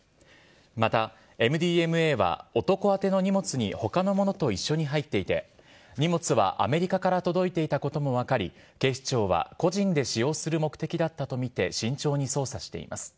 またＭＤＭＡは男宛ての荷物にほかのものと一緒に入っていて、荷物はアメリカから届いていたことも分かり、警視庁は個人で使用する目的だったと見て慎重に捜査しています。